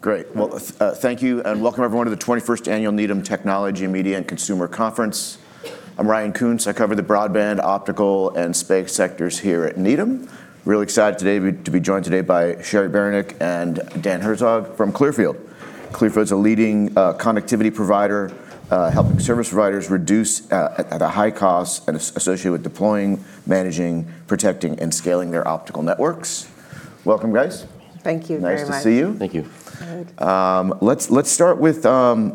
Great. Well, thank you, and welcome everyone to the 21st Annual Needham Technology, Media, and Consumer Conference. I'm Ryan Koontz. I cover the broadband, optical, and space sectors here at Needham. Really excited today to be joined today by Cheri Beranek and Dan Herzog from Clearfield. Clearfield's a leading connectivity provider, helping service providers reduce a high cost associated with deploying, managing, protecting, and scaling their optical networks. Welcome, guys. Thank you very much. Nice to see you. Thank you. Let's start with,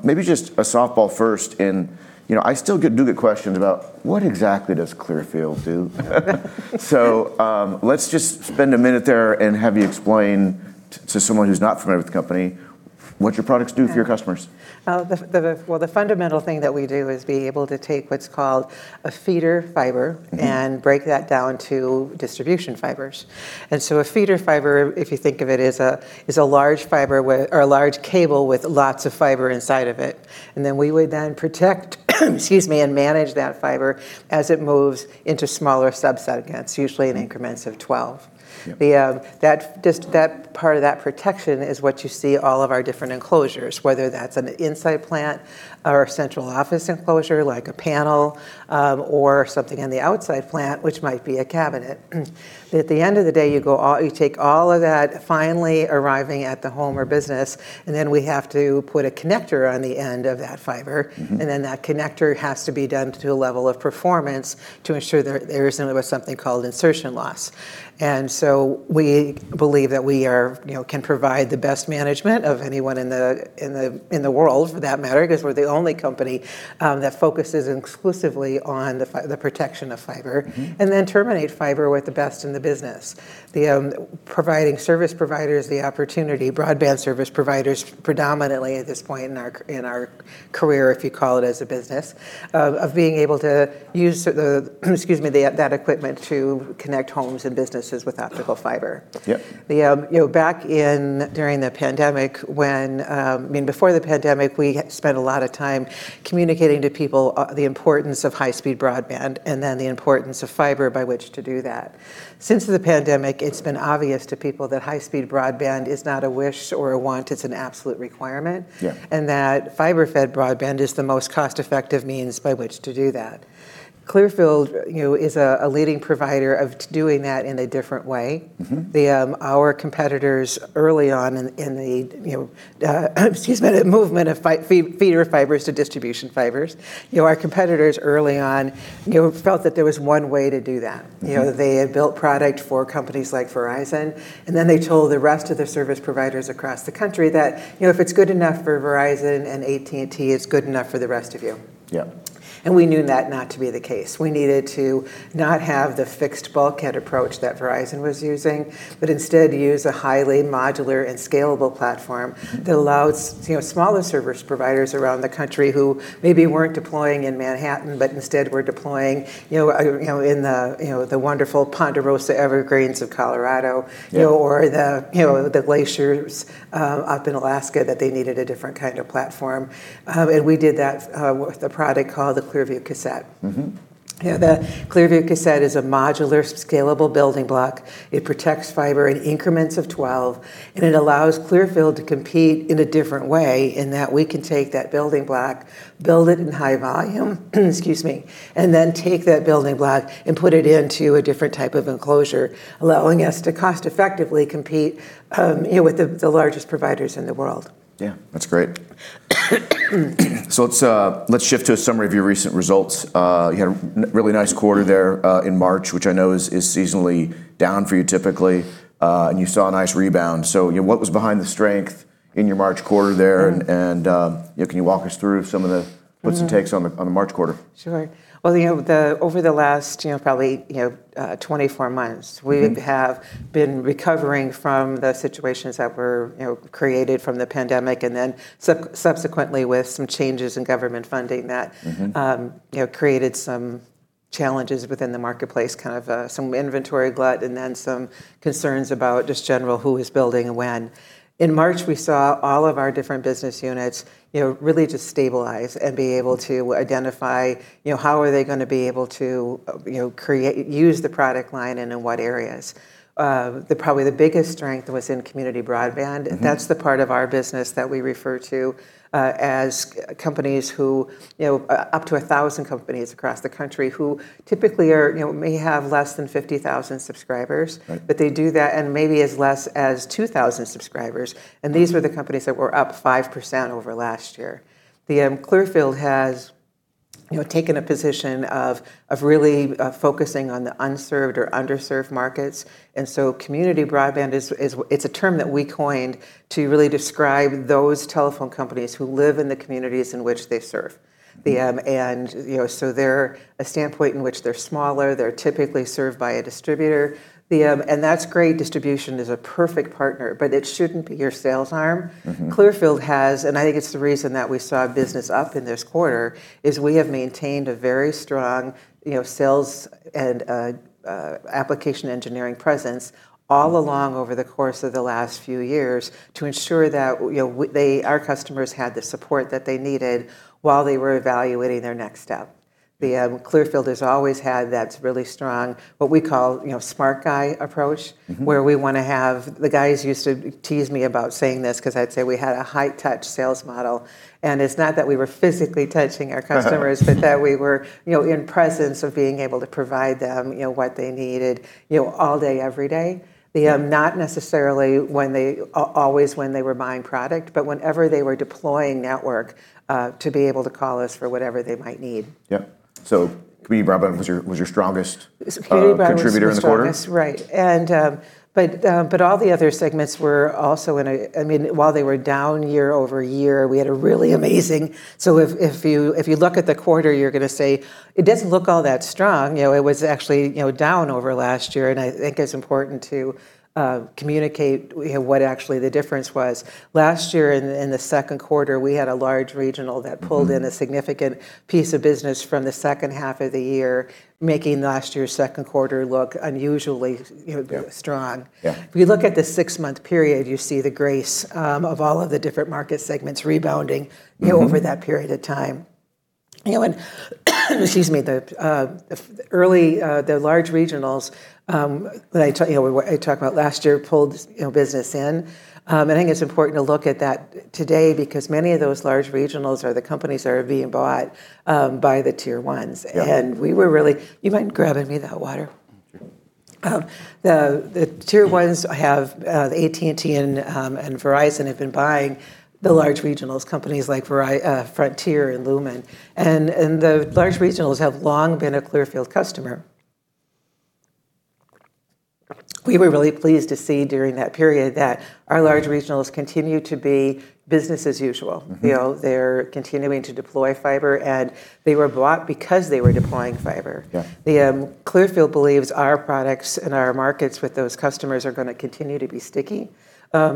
maybe just a softball first. You know, I still get questions about what exactly does Clearfield do? Let's just spend a minute there and have you explain to someone who's not familiar with the company what your products do for your customers. Well, the fundamental thing that we do is be able to take what's called a feeder fiber. Break that down to distribution fibers. A feeder fiber, if you think of it, is a large fiber with or a large cable with lots of fiber inside of it, and then we would then protect, excuse me, and manage that fiber as it moves into smaller subset accounts, usually in increments of 12. Yeah. The, that, just that part of that protection is what you see all of our different enclosures, whether that's an inside plant or a central office enclosure, like a panel, or something on the outside plant, which might be a cabinet. At the end of the day, you take all of that finally arriving at the home or business, and then we have to put a connector on the end of that fiber. That connector has to be done to a level of performance to ensure there isn't something called insertion loss. We believe that we, you know, can provide the best management of anyone in the world for that matter, 'cause we're the only company that focuses exclusively on the protection of fiber. Terminate fiber with the best in the business. Providing service providers the opportunity, broadband service providers predominantly at this point in our career, if you call it, as a business, of being able to use excuse me, that equipment to connect homes and businesses with optical fiber. Yeah. You know, back in, during the pandemic when, I mean, before the pandemic, we spent a lot of time communicating to people, the importance of high-speed broadband and then the importance of fiber by which to do that. Since the pandemic, it's been obvious to people that high-speed broadband is not a wish or a want, it's an absolute requirement. Yeah. That fiber-fed broadband is the most cost-effective means by which to do that. Clearfield, you know, is a leading provider of doing that in a different way. In the movement of feeder fibers to distribution fibers, you know, our competitors early on, you know, felt that there was one way to do that. You know, they had built product for companies like Verizon, and then they told the rest of the service providers across the country that, you know, "If it's good enough for Verizon and AT&T, it's good enough for the rest of you. Yeah. We knew that not to be the case. We needed to not have the fixed bulkhead approach that Verizon was using but instead use a highly modular and scalable platform. That allows, you know, smaller service providers around the country who maybe weren't deploying in Manhattan, but instead were deploying, you know, in the wonderful Ponderosa evergreens of Colorado. Yeah The glaciers, up in Alaska, that they needed a different kind of platform. We did that, with a product called the Clearview Cassette. You know, the Clearview Cassette is a modular, scalable building block. It protects fiber in increments of 12, and it allows Clearfield to compete in a different way in that we can take that building block, build it in high volume and then take that building block and put it into a different type of enclosure, allowing us to cost-effectively compete, you know, with the largest providers in the world. Yeah, that's great. Let's shift to a summary of your recent results. You had a really nice quarter there in March, which I know is seasonally down for you typically. You saw a nice rebound. You know, what was behind the strength in your March quarter there? You know, can you walk us through some of the puts and takes on the, on the March quarter? Sure. You know, over the last, you know, probably, you know, 24 months. We have been recovering from the situations that were, you know, created from the pandemic and then subsequently with some changes in government funding. You know, created some challenges within the marketplace, kind of, some inventory glut and then some concerns about just general who is building and when. In March, we saw all of our different business units, you know, really just stabilize and be able to identify, you know, how are they gonna be able to, you know, create, use the product line and in what areas. The, probably the biggest strength was in community broadband. That's the part of our business that we refer to, as companies who, you know, up to 1,000 companies across the country who typically are, you know, may have less than 50,000 subscribers. Right. They do that in maybe as less as 2,000 subscribers. These were the companies that were up 5% over last year. The Clearfield has, you know, taken a position of really focusing on the unserved or underserved markets. community broadband is, it's a term that we coined to really describe those telephone companies who live in the communities in which they serve. They're a standpoint in which they're smaller, they're typically served by a distributor. That's great. Distribution is a perfect partner, but it shouldn't be your sales arm. Clearfield has, and I think it's the reason that we saw business up in this quarter, is we have maintained a very strong, you know, sales and application engineering presence all along over the course of the last few years to ensure that, you know, our customers had the support that they needed while they were evaluating their next step. The Clearfield has always had that really strong, what we call, you know, smart guy approach. Where we're wanna have, the guys used to tease me about saying this, 'cause I'd say we had a high-touch sales model, and it's not that we were physically touching our customers, but that we were, you know, in presence of being able to provide them, you know, what they needed, you know, all day every day. Not necessarily always when they were buying product, but whenever they were deploying network, to be able to call us for whatever they might need. Yep. community broadband was your strongest. Was community broadband strongest? contributor in the quarter? Right. All the other segments were also in a I mean, while they were down year-over-year, we had a really amazing. If you, if you look at the quarter, you're gonna say, "It doesn't look all that strong." You know, it was actually, you know, down over last year, and I think it's important to communicate what actually the difference was. Last year in the second quarter, we had a large regional that pulled in. A significant piece of business from the second half of the year, making last year's second quarter look unusually, you know, strong. Yeah. If you look at the six-month period, you see the grace of all of the different market segments rebounding. You know, over that period of time. You know, the early large regionals that I talk about last year, pulled business in. I think it's important to look at that today because many of those large regionals are the companies that are being bought by the tier ones. Yeah. You mind grabbing me that water? Sure. The, the tier ones have AT&T and Verizon have been buying the large regionals, companies like Frontier and Lumen. The large regionals have long been a Clearfield customer. We were really pleased to see during that period that our large regionals continue to be business as usual. You know, they're continuing to deploy fiber, and they were bought because they were deploying fiber. Yeah. The Clearfield believes our products and our markets with those customers are gonna continue to be sticky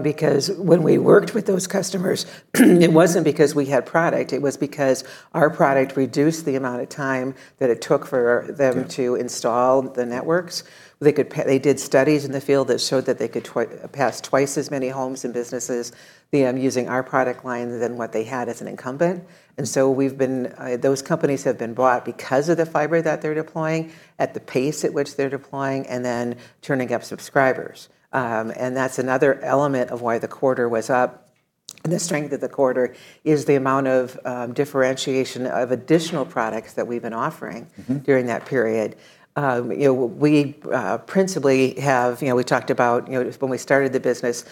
because when we worked with those customers, it wasn't because we had product, it was because our product reduced the amount of time that it took for them. Yeah to install the networks. They did studies in the field that showed that they could pass twice as many homes and businesses, using our product line than what they had as an incumbent. We've been, those companies have been bought because of the fiber that they're deploying, at the pace at which they're deploying, and then turning up subscribers. That's another element of why the quarter was up. The strength of the quarter is the amount of differentiation of additional products that we've been offering during that period. you know, we principally have, you know, we talked about, you know, when we started the business,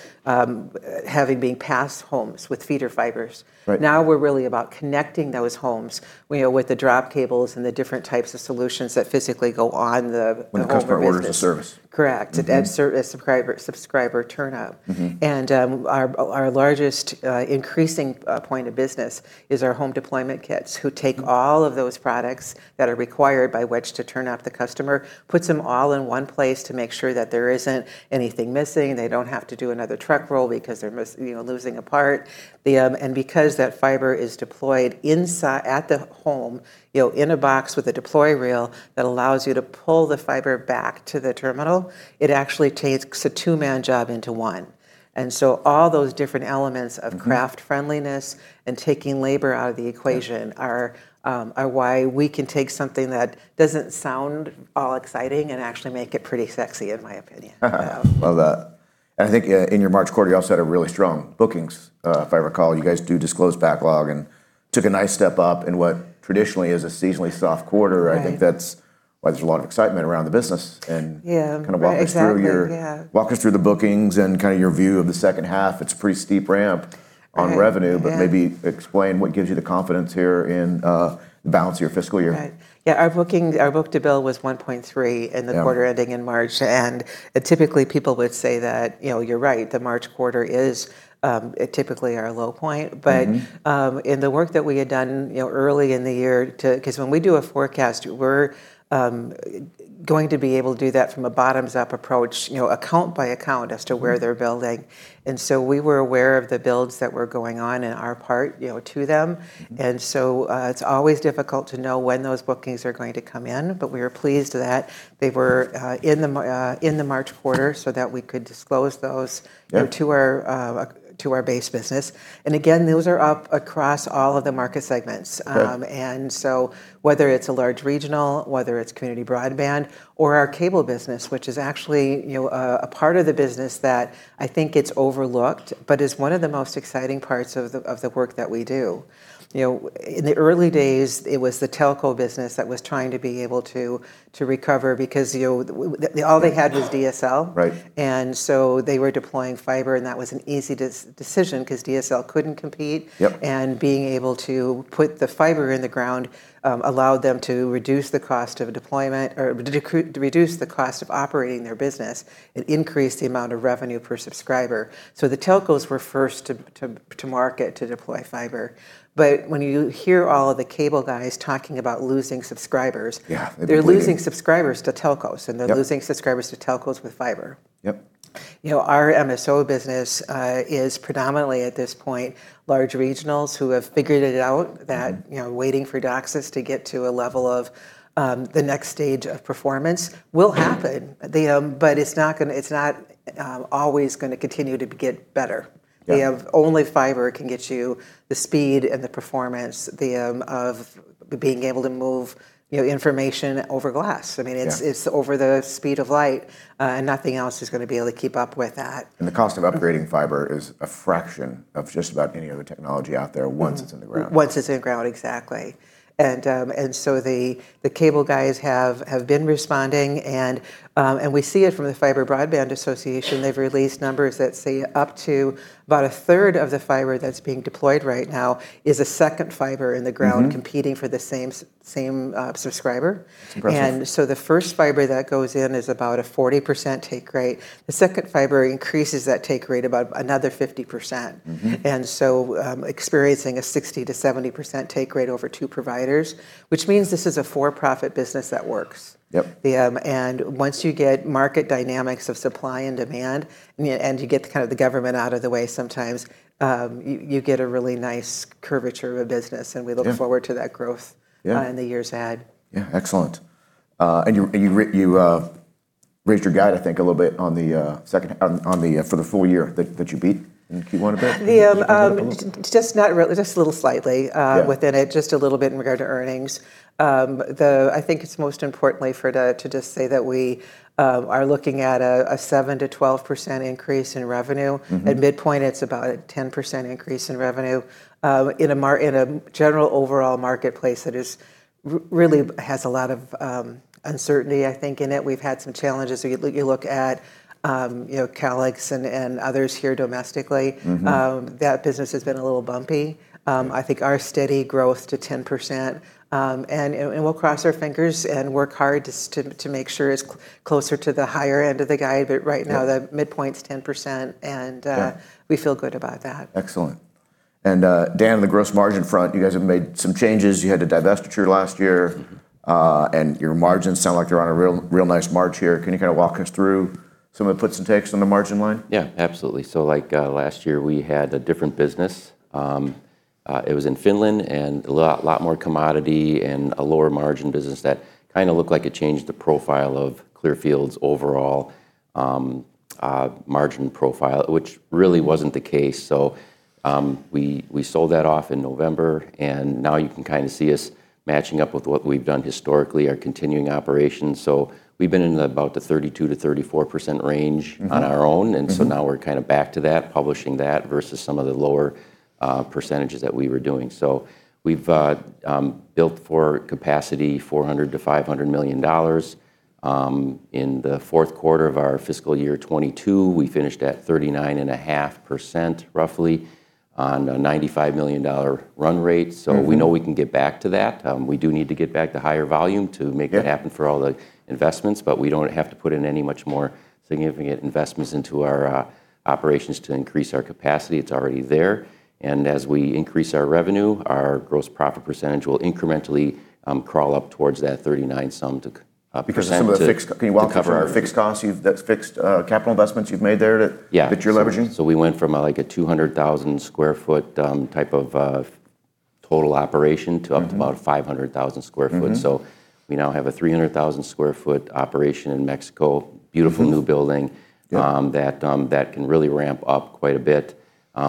having been passed homes with feeder fibers. Right. We're really about connecting those homes, you know, with the drop cables and the different types of solutions that physically go on the home or business. When a customer orders a service. Correct. That subscriber turn-up. Our largest increasing point of business is our Home Deployment Kits. Who take all of those products that are required by which to turn up the customer, puts them all in one place to make sure that there isn't anything missing, they don't have to do another truck roll because they're you know, losing a part. Because that fiber is deployed inside, at the home, you know, in a box with a deploy reel that allows you to pull the fiber back to the terminal, it actually takes a two-man job into one. All those different elements are craft friendliness and taking labor out of the equation. Yeah are why we can take something that doesn't sound all exciting and actually make it pretty sexy, in my opinion. Love that. I think in your March quarter, you also had a really strong bookings, if I recall. You guys do disclose backlog and took a nice step up in what traditionally is a seasonally soft quarter. Right. I think that's why there's a lot of excitement around the business. Yeah. No, exactly. kind of walk us through. Yeah Walk us through the bookings and kinda your view of the second half. It's a pretty steep ramp on revenue. Right. Yeah. Maybe explain what gives you the confidence here in the balance of your fiscal year. Right. Yeah, our booking, our book-to-bill was 1.3 in the quarter ending in March, and typically people would say that, you know, you're right, the March quarter is typically our low point. In the work that we had done, you know, early in the year to 'Cause when we do a forecast, we're going to be able to do that from a bottoms-up approach, you know, account by account as to where. They're building. We were aware of the builds that were going on in our part, you know, to them. It's always difficult to know when those bookings are going to come in, but we were pleased that they were in the March quarter so that we could disclose those to our base business. Again, those are up across all of the market segments. Right. Whether it's a large regional, whether it's community broadband, or our cable business, which is actually, you know, a part of the business that I think it's overlooked but is one of the most exciting parts of the work that we do. You know, in the early days, it was the telco business that was trying to be able to recover because, you know, all they had was DSL. Right. They were deploying fiber, and that was an easy decision 'cause DSL couldn't compete. Yep. Being able to put the fiber in the ground, allowed them to reduce the cost of deployment or to reduce the cost of operating their business. It increased the amount of revenue per subscriber. The telcos were first to market to deploy fiber. When you hear all of the cable guys talking about losing subscribers. Yeah. They're bleeding they're losing subscribers to telcos. Yep losing subscribers to telcos with fiber. Yep. You know, our MSO business is predominantly at this point large regionals who have figured it out. You know, waiting for DOCSIS to get to a level. The next stage of performance will happen. It's not always gonna continue to get better. Yeah. The only fiber can get you the speed and the performance of being able to move, you know, information over glass. I mean. Yeah it's over the speed of light, and nothing else is gonna be able to keep up with that. The cost of upgrading fiber is a fraction of just about any other technology out there. Once it's in the ground. Once it's in the ground, exactly. The cable guys have been responding. We see it from the Fiber Broadband Association. They've released numbers that say up to about a third of the fiber that's being deployed right now is a second fiber in the ground. Competing for the same subscriber. That's impressive. The first fiber that goes in is about a 40% take rate. The second fiber increases that take rate about another 50%. Experiencing a 60%-70% take rate over two providers, which means this is a for-profit business that works. Yep. Once you get market dynamics of supply and demand, and you get kind of the government out of the way sometimes, you get a really nice curvature of business. We look forward to that growth in the years ahead. Yeah. Excellent. You raised your guide, I think, a little bit on the second on the for the full year that you beat and you won a bit. Did you beat it a little? The just not really, just a little, within it, just a little bit in regard to earnings. I think it's most importantly to just say that we are looking at a 7%-12% increase in revenue. At midpoint it's about a 10% increase in revenue. In a general overall marketplace that is really has a lot of uncertainty, I think, in it. We've had some challenges. You look at, you know, Calix and others here domestically. That business has been a little bumpy. I think our steady growth to 10%, and we'll cross our fingers and work hard to make sure it's closer to the higher end of the guide, the midpoint's 10%, and we feel good about that. Excellent. Dan, on the gross margin front, you guys have made some changes. You had a divestiture last year. Your margins sound like they're on a real nice march here. Can you kind of walk us through some of the puts and takes on the margin line? Yeah. Absolutely. Like, last year we had a different business. It was in Finland, and a lot more commodity and a lower margin business that kinda looked like it changed the profile of Clearfield's overall margin profile, which really wasn't the case. We sold that off in November, and now you can kinda see us matching up with what we've done historically, our continuing operations. We've been in about the 32%-34% range. On our own. Now we're kind of back to that, publishing that versus some of the lower percentage that we were doing. We've built for capacity $400 million-$500 million. In the fourth quarter of our fiscal year 2022, we finished at 39.5% roughly on a $95 million run rate. We know we can get back to that. We do need to get back to higher volume. Yeah To make that happen, for all the investments, we don't have to put in any much more significant investments into our operations to increase our capacity. It's already there. As we increase our revenue, our gross profit percentage will incrementally crawl up towards that 39% some to cover. Can you walk us through that fixed capital investments you've made there? Yeah that you're leveraging? So, we went from, like, a 200,000 sq ft type of total operation about 500,000 sq ft. We now have a 300,000 sq ft operation in Mexico, beautiful new building. Yeah that can really ramp up quite a bit.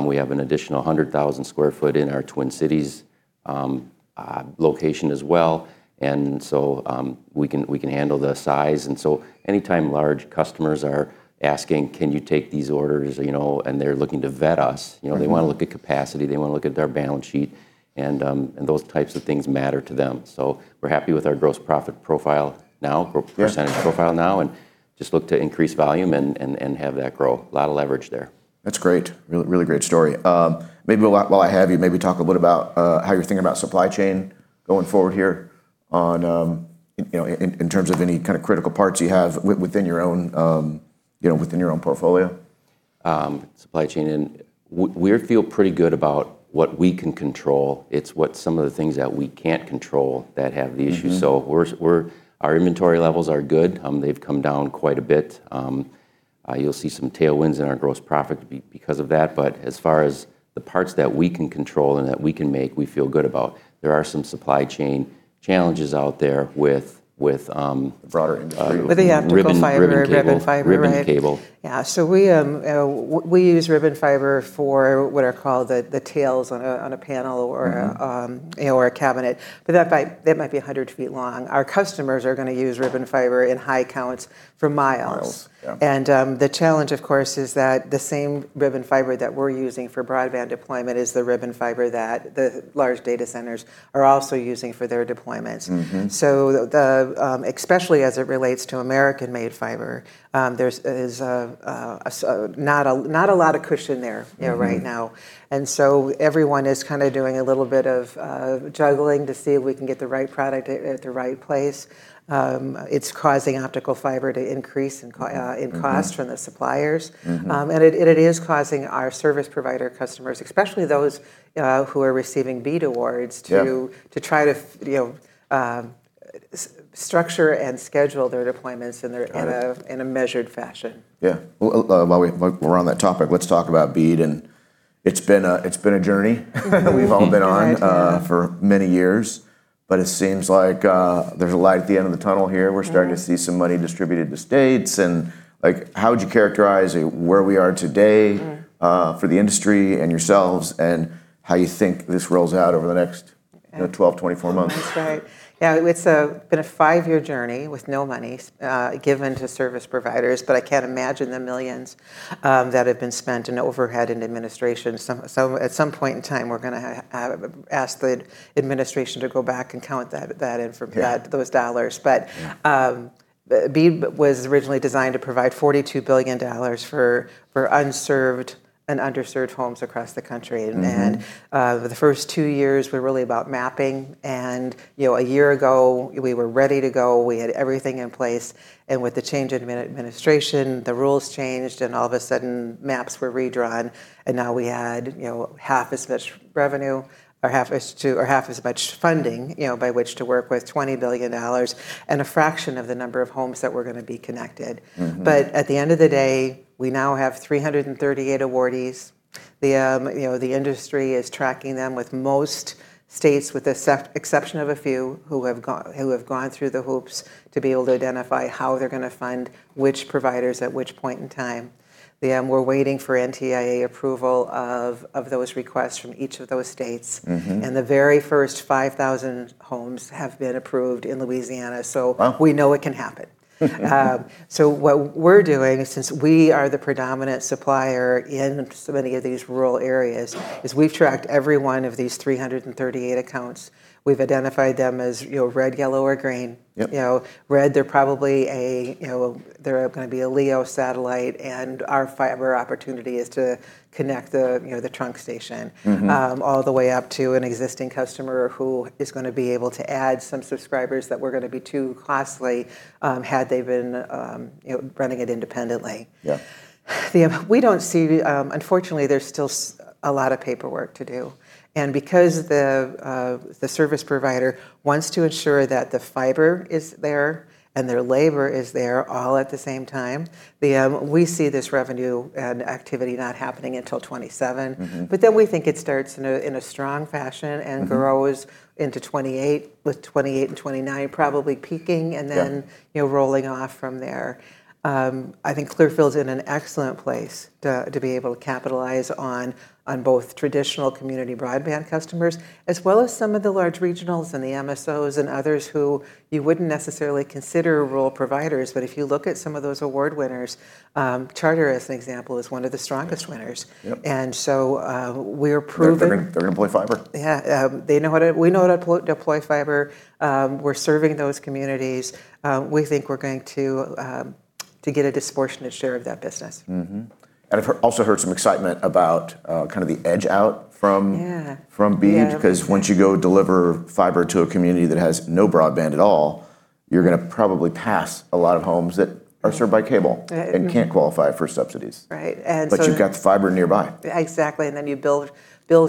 We have an additional 100,000 sq ft in our Twin Cities location as well. We can handle the size. Anytime large customers are asking, "Can you take these orders?" You know, and they're looking to vet us. You know, they wanna look at capacity, they wanna look at our balance sheet. Those types of things matter to them. We're happy with our gross profit profile now percentage profile now and just look to increase volume and have that grow, a lot of leverage there. That's great. Really great story. Maybe while I have you, maybe talk a bit about how you're thinking about supply chain going forward here on, in, you know, in terms of any kind of critical parts you have within your own portfolio? Supply chain. We feel pretty good about what we can control. It's what some of the things that we can't control that have the issues. Our inventory levels are good. They've come down quite a bit. You'll see some tailwinds in our gross profit because of that. As far as the parts that we can control and that we can make, we feel good about. There are some supply chain challenges out there with the broader industry with- With the optical fiber ribbon cable. ribbon fiber, right. Ribbon cable. Yeah. We use ribbon fiber for what are called the tails on a panel or a. You know, or a cabinet. That might be 100 ft long. Our customers are gonna use ribbon fiber in high counts for miles. Miles. Yeah. The challenge, of course, is that the same ribbon fiber that we're using for broadband deployment is the ribbon fiber that the large data centers are also using for their deployments. The, especially as it relates to American-made fiber, there's not a lot of cushion there, you know. Right now. Everyone is kinda doing a little bit of juggling to see if we can get the right product at the right place. It's causing optical fiber to increase in. In cost from the suppliers. It is causing our service provider customers, especially those, who are receiving BEAD awards to try to you know, structure and schedule their deployments in a measured fashion. Got it. Yeah. Well, while we're on that topic, let's talk about BEAD. It's been a journey that we've all been on. It has been for many years. It seems like, there's a light at the end of the tunnel here. We're starting to see some money distributed to states. like, how would you characterize where we are today? For the industry and yourselves, and how you think this rolls out over the next, you know, 12, 24 months? That's right. Yeah, it's been a five-year journey with no money given to service providers. I can't imagine the millions that have been spent in overhead and administration. At some point in time we're gonna ask the administration to go back and count that in those dollars. Yeah BEAD was originally designed to provide $42 billion for unserved and underserved homes across the country. The first two years were really about mapping. You know, a year ago we were ready to go, we had everything in place, and with the change in administration, the rules changed, and all of a sudden maps were redrawn, and now we had, you know, half as much revenue, or half as much funding, you know, by which to work with, $20 billion, and a fraction of the number of homes that were gonna be connected. At the end of the day, we now have 338 awardees. You know, the industry is tracking them with most states, with exception of a few who have gone through the hoops to be able to identify how they're gonna fund which providers at which point in time. We're waiting for NTIA approval of those requests from each of those states. The very first 5,000 homes have been approved in Louisiana. Wow. We know it can happen. What we're doing, since we are the predominant supplier in so many of these rural areas, is we've tracked every one of these 338 accounts. We've identified them as, you know, red, yellow, or green. Yep. You know, right, they're probably a, you know, they're gonna be a LEO satellite, and our opportunity is to connect the, you know, the trunk station. All the way up to an existing customer who is gonna be able to add some subscribers that were gonna be too costly, had they been, you know, running it independently. Yeah. We don't see, unfortunately, there's still a lot of paperwork to do, and because the service provider wants to ensure that the fiber is there and their labor is there all at the same time, we see this revenue and activity not happening until 2027. We think it starts in a strong fashion. Grows into 2028, with 2028 and 2029 probably peaking. Yeah You know, rolling off from there. I think Clearfield's in an excellent place to be able to capitalize on both traditional community broadband customers, as well as some of the large regionals and the MSOs and others who you wouldn't necessarily consider rural providers, but if you look at some of those award winners, Charter as an example is one of the strongest winners. Yep. We're proving- They're gonna deploy fiber. Yeah. They know how to, we know how to deploy fiber. We're serving those communities. We think we're going to get a disproportionate share of that business. I've also heard some excitement about, kind of the edge out from BEAD. Yeah. 'Cause once you go deliver fiber to a community that has no broadband at all, you're gonna probably pass a lot of homes that are served by cable and can't qualify for subsidies. Right. You've got the fiber nearby. Exactly, then you build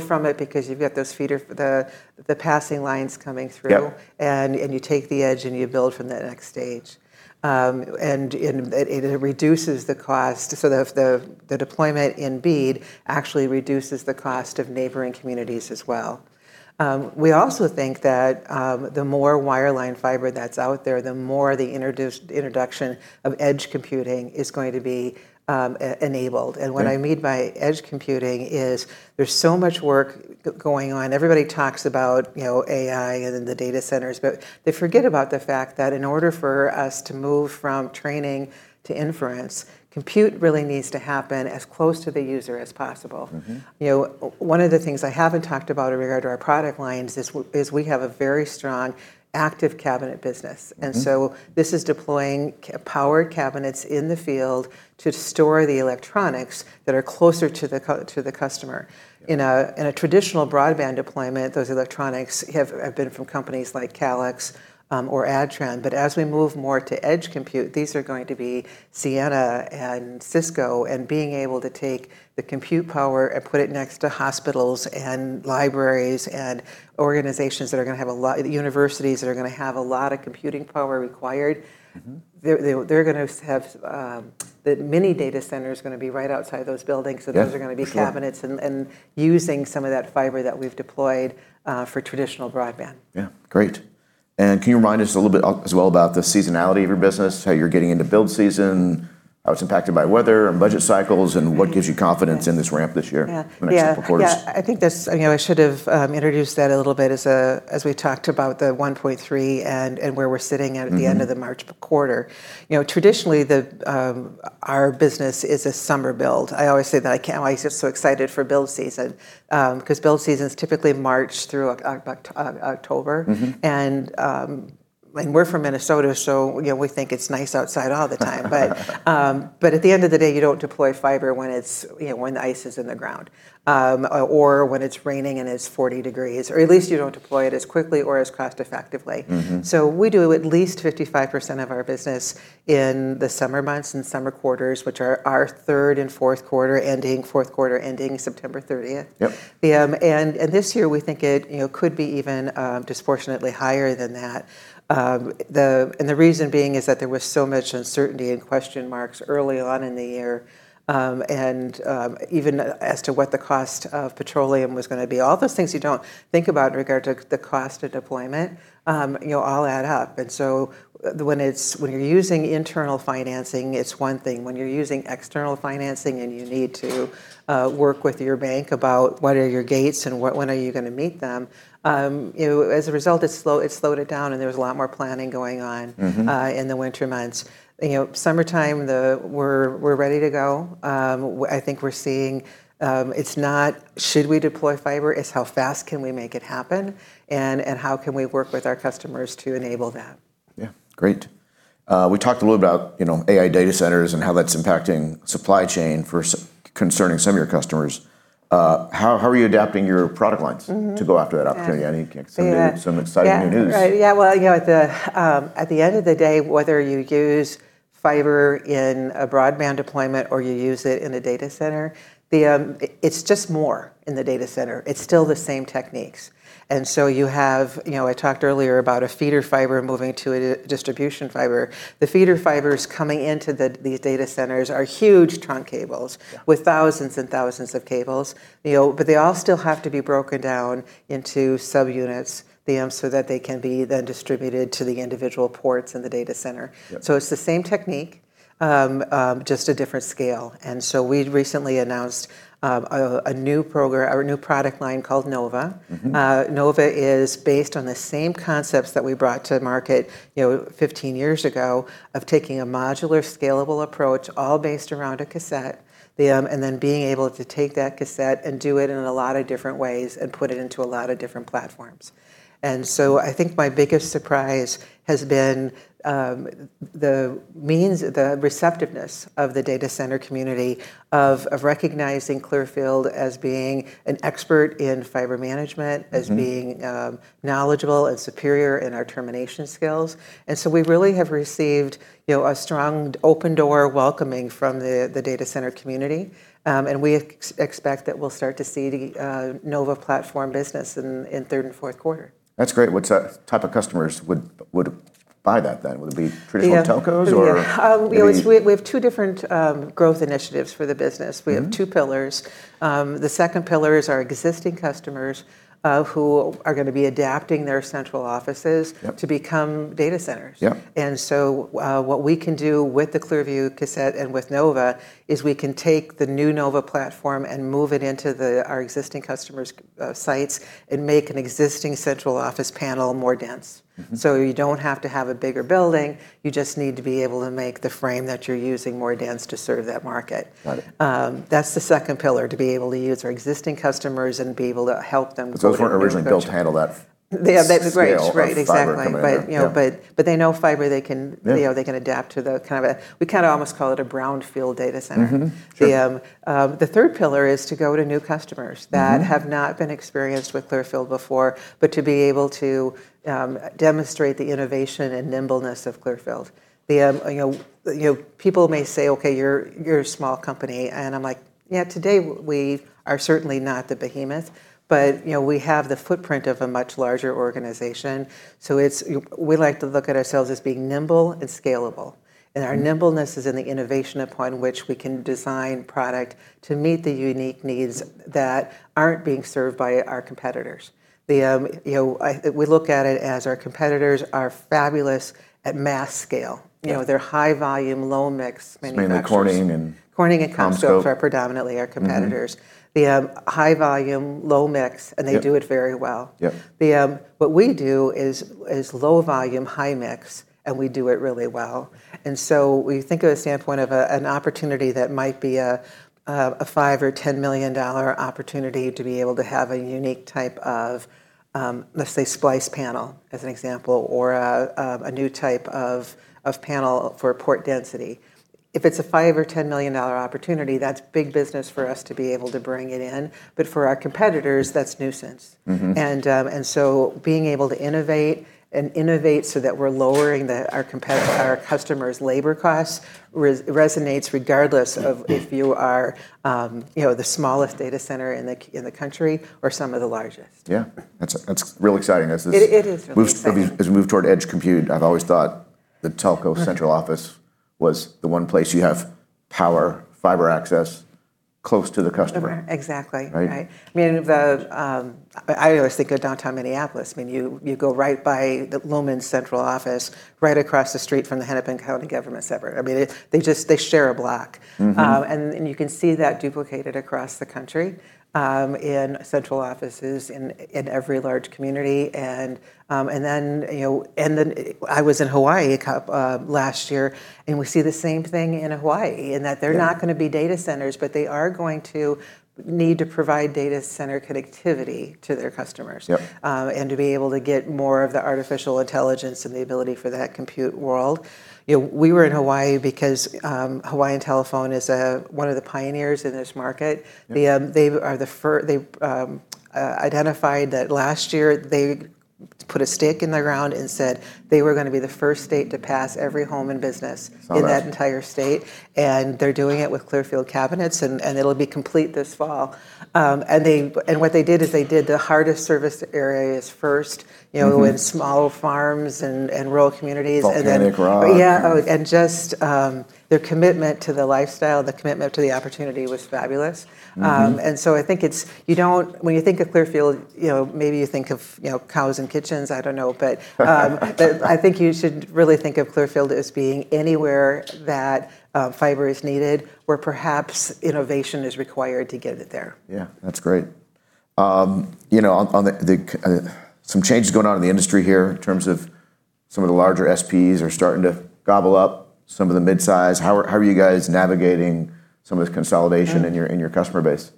from it because you've got those feeder the passing lines coming through. Yep. You take the edge and you build from that next stage. It reduces the cost. The deployment in BEAD actually reduces the cost of neighboring communities as well. We also think that the more wireline fiber that's out there, the more the introduction of edge computing is going to be enabled. Right. What I mean by edge computing is there's so much work going on. Everybody talks about, you know, AI and the data centers, but they forget about the fact that in order for us to move from training to inference, compute really needs to happen as close to the user as possible. You know, one of the things I haven't talked about in regard to our product lines is we have a very strong active cabinet business. This is deploying powered cabinets in the field to store the electronics that are closer to the customer. In a traditional broadband deployment, those electronics have been from companies like Calix or Adtran. As we move more to edge compute, these are going to be Ciena and Cisco and being able to take the compute power and put it next to hospitals and libraries and organizations that are going to have a lot, universities that are going to have a lot of computing power required. They're gonna have the mini data center's gonna be right outside those buildings. Yeah. For sure. Those are gonna be cabinets, and using some of that fiber that we've deployed, for traditional broadband. Yeah. Great. Can you remind us a little bit as well about the seasonality of your business, how you're getting into build season, how it's impacted by weather and budget cycles, and what gives you confidence in this ramp this year? Yeah. The next couple quarters. Yeah, yeah. I think this, you know, I should've introduced that a little bit as we talked about the 1.3 and where we're sitting at. At the end of the March quarter. You know, traditionally the, our business is a summer build. I always say that I can't wait, I get so excited for build season, 'cause build season's typically March through October. Like, we're from Minnesota, you know, we think it's nice outside all the time. At the end of the day, you don't deploy fiber when it's, you know, when the ice is in the ground, or when it's raining and it's 40 degrees, or at least you don't deploy it as quickly or as cost-effectively. We do at least 55% of our business in the summer months and summer quarters, which are our third and fourth quarter ending September 30th. Yep. This year we think it, you know, could be even disproportionately higher than that. The reason being is that there was so much uncertainty and question marks early on in the year, and even as to what the cost of petroleum was gonna be. All those things you don't think about in regard to the cost of deployment, you know, all add up. When it's, when you're using internal financing, it's one thing. When you're using external financing and you need to work with your bank about what are your gates and what, when are you gonna meet them, you know, as a result, it slowed it down, and there was a lot more planning going on, in the winter months. You know, summertime, we're ready to go. I think we're seeing, it's not should we deploy fiber, it's how fast can we make it happen, and how can we work with our customers to enable that? Yeah, great. We talked a little about, you know, AI data centers and how that's impacting supply chain concerning some of your customers. How are you adapting your product lines? To go after that opportunity? Yeah. I know you can't say. Yeah some exciting new news. Right. Yeah, well, you know, at the end of the day, whether you use fiber in a broadband deployment or you use it in a data center. It's just more in the data center. It's still the same techniques. You have, you know, I talked earlier about a feeder fiber moving to a distribution fiber. The feeder fibers coming into these data centers are huge trunk cables with thousands and thousands of cables, you know, but they all still have to be broken down into subunits, so that they can be then distributed to the individual ports in the data center. Yeah. It's the same technique, just a different scale. We recently announced a new product line called NOVA. NOVA is based on the same concepts that we brought to market, you know, 15 years ago of taking a modular, scalable approach all based around a cassette. Then being able to take that cassette and do it in a lot of different ways and put it into a lot of different platforms. So, I think my biggest surprise has been the receptiveness of the data center community of recognizing Clearfield as being an expert in fiber management- as being knowledgeable and superior in our termination skills. We really have received, you know, a strong open door welcoming from the data center community. We expect that we'll start to see the NOVA platform business in third and fourth quarter. That's great. What type of customers would buy that then? Would it be traditional telcos-? Yeah or are they- You know, we have two different growth initiatives for the business. We have two pillars. The second pillar is our existing customers, who are gonna be adapting their central offices. Yep to become data centers. Yep. What we can do with the Clearview Cassette and with NOVA is we can take the new NOVA platform and move it into our existing customers' sites and make an existing central office panel more dense. You don't have to have a bigger building, you just need to be able to make the frame that you're using more dense to serve that market. Got it. That's the second pillar, to be able to use our existing customers and be able to help them build a data center. Those weren't originally built to handle that. Yeah, that's great. scale of fiber coming in there. Right, exactly. Yeah. You know, but they know fiber. Yeah you know, they can adapt to the kind of we kind of almost call it a brownfield data center. The third pillar is to go to new customers. That have not been experienced with Clearfield before, but to be able to, demonstrate the innovation and nimbleness of Clearfield. The, you know, people may say, "Okay, you're a small company." And I'm like, "Yeah, today we are certainly not the behemoth, but you know, we have the footprint of a much larger organization." It's, we like to look at ourselves as being nimble and scalable. Our nimbleness is in the innovation upon which we can design product to meet the unique needs that aren't being served by our competitors. You know, we look at it as our competitors are fabulous at mass scale. Yeah. You know, they're high volume, low mix manufacturers. mainly Corning. Corning and CommScope. CommScope are predominantly our competitors. The high volume, low mix. Yep They do it very well. Yep. What we do is low volume, high mix, and we do it really well. We think of the standpoint of an opportunity that might be a $5 million or $10 million opportunity to be able to have a unique type of, let's say splice panel as an example, or a new type of panel for port density. If it's a $5 million or $10 million opportunity, that's big business for us to be able to bring it in. For our competitors, that's nuisance. Being able to innovate, and innovate so that we're lowering our customers' labor costs resonates regardless of if you are, you know, the smallest data center in the country or some of the largest. Yeah. That's real exciting. It is really exciting. move, as we move toward edge compute, I've always thought the telco central office was the one place you have power, fiber access close to the customer. Okay. Exactly. Right? Right. I mean, the, I always think of downtown Minneapolis. I mean, you go right by the Lumen's central office, right across the street from the Hennepin County Government Center. I mean, they just, they share a block. You can see that duplicated across the country, in central offices in every large community. You know, I was in Hawaii a couple last year, and we see the same thing in Hawaii, there are not gonna be data centers, but they are going to need to provide data center connectivity to their customers. And to be able to get more of the artificial intelligence and the ability for that compute world. You know, we were in Hawaii, because Hawaiian Telephone is, one of the pioneers in this market. Yeah. Put a stake in the ground and said they were gonna be the first state to pass every home and business. Got it. in that entire state, and they're doing it with Clearfield cabinets and it'll be complete this fall. What they did is they did the hardest service areas first. You know, in small farms and rural communities. Volcanic rock. Yeah. Just their commitment to the lifestyle, the commitment to the opportunity was fabulous. When you think of Clearfield, you know, maybe you think of, you know, cows and kitchens, I don't know. I think you should really think of Clearfield as being anywhere that fiber is needed, where perhaps innovation is required to get it there. Yeah, that's great. you know, on the some changes going on in the industry here in terms of some of the larger SPs are starting to gobble up some of the mid-size. How are you guys navigating some of the consolidation in your, in your customer base?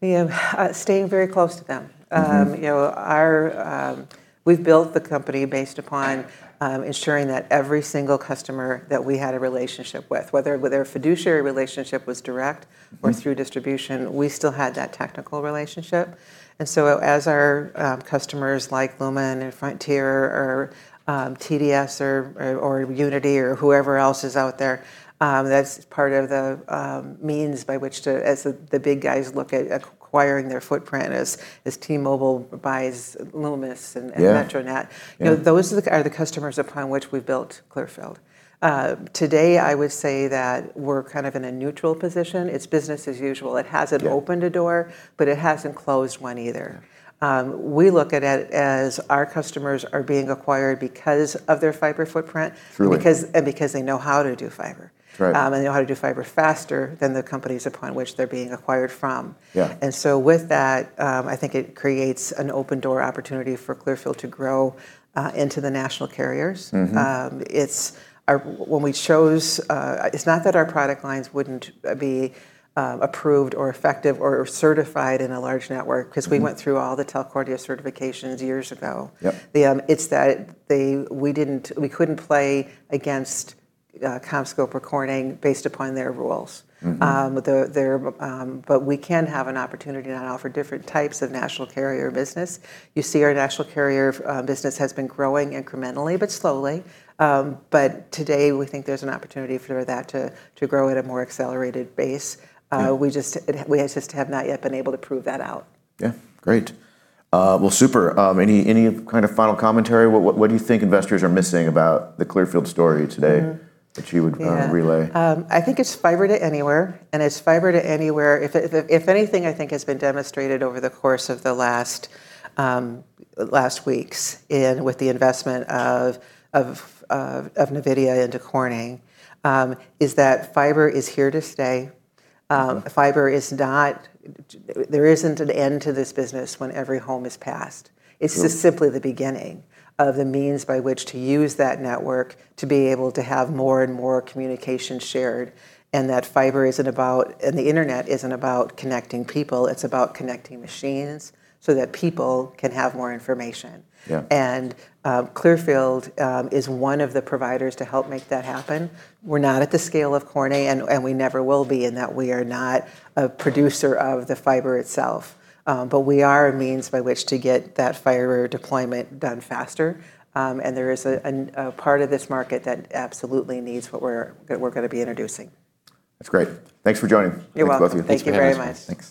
You know, staying very close to them. You know, we've built the company based upon, ensuring that every single customer that we had a relationship with, whether a fiduciary relationship was direct. Or through distribution, we still had that technical relationship. As our customers like Lumen or Frontier or TDS or Uniti or whoever else is out there, that's part of the means by which to, as the big guys look at acquiring their footprint as T-Mobile buys Lumos and Metronet. Yeah. You know, those are the customers upon which we built Clearfield. Today I would say that we're kind of in a neutral position. It's business as usual. It hasn't opened a door, but it hasn't closed one either. We look at it as our customers are being acquired because of their fiber footprint. Truly. Because they know how to do fiber. Right. They know how to do fiber faster than the companies upon which they're being acquired from. Yeah. With that, I think it creates an open-door opportunity for Clearfield to grow into the national carriers. It's not that our product lines wouldn't be approved or effective or certified in a large network- 'cause we went through all the Telcordia certifications years ago. Yep. We couldn't play against CommScope or Corning based upon their rules. We can have an opportunity now for different types of national carrier business. You see our national carrier business has been growing incrementally, but slowly. Today we think there's an opportunity for that to grow at a more accelerated base. We just have not yet been able to prove that out. Yeah. Great. Well, super. Any kind of final commentary? What do you think investors are missing about the Clearfield story today? That you would-relay? Yeah I think it's fiber to anywhere, and it's fiber to anywhere. If anything I think has been demonstrated over the course of the last weeks in with the investment of NVIDIA into Corning, is that fiber is here to stay. There isn't an end to this business when every home is passed. Sure. It's just simply the beginning of the means by which to use that network to be able to have more and more communication shared, that fiber isn't about, the internet isn't about connecting people, it's about connecting machines so that people can have more information. Yeah. Clearfield is one of the providers to help make that happen. We're not at the scale of Corning and we never will be in that we are not a producer of the fiber itself. We are a means by which to get that fiber deployment done faster. There is a part of this market that absolutely needs what we're gonna be introducing. That's great. Thanks for joining. You're welcome. Thanks both of you. Thanks for having us. Thank you very much. Thanks.